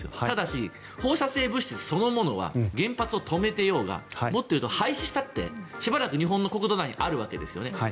ただし放射性物質そのものは原発を止めてようがもっといえば廃止したってしばらく日本の国土内にあるわけですよね。